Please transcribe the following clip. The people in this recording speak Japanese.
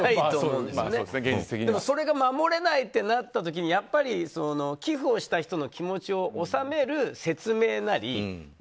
ただ、それが守れないってなった時に、寄付した人の気持ちを収める説明なり。